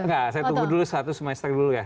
enggak saya tunggu dulu satu semester dulu ya